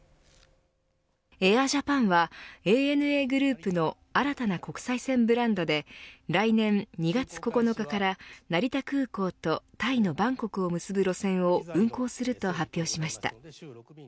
ＡｉｒＪａｐａｎはＡＮＡグループの新たな国際線ブランドで来年２月９日から成田空港とタイのバンコクを結ぶ路線を運行すると発表しました。